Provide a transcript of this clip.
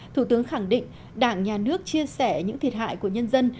thủ tướng khẳng định đảng nhà nước chia sẻ những thiệt hại của nhân dân